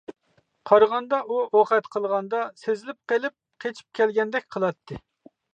قارىغاندا ئۇ ئوقەت قىلغاندا، سېزىلىپ قېلىپ، قېچىپ كەلگەندەك قىلاتتى.